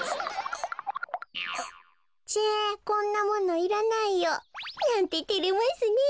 「ちぇこんなものいらないよ」なんててれますねえ。